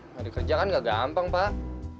narik kerja kan nggak gampang pak